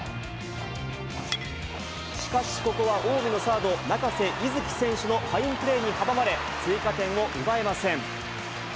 しかし、ここは近江のサード、中瀬樹選手のファインプレーに阻まれ、追加点を奪えません。